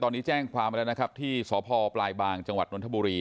ตอนนี้แจ้งความไปแล้วนะครับที่สพปลายบางจังหวัดนทบุรี